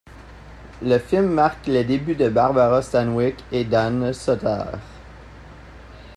Le film marque les débuts de Barbara Stanwyck et d'Ann Sothern.